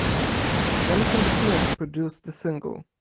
Jonathan Smith produced the single.